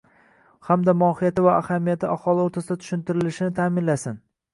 hamda mohiyati va ahamiyati aholi o‘rtasida tushuntirilishini ta’minlasin.